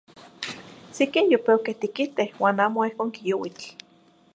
Siquen yopeuque tiquite, uan amo ehco quiyouitl.